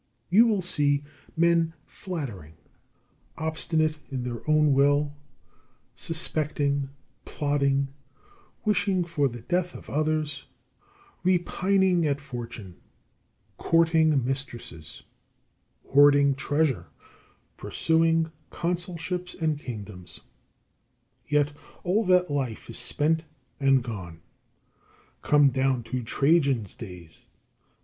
You will see men flattering, obstinate in their own will, suspecting, plotting, wishing for the death of others, repining at fortune, courting mistresses, hoarding treasure, pursuing consulships and kingdoms. Yet all that life is spent and gone. Come down to Trajan's days.